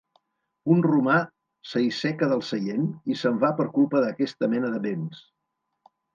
Un romà s'aiseca del seient i se'n va per culpa d'aquesta mena de bens.